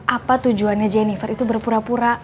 apa tujuannya jennifer itu berpura pura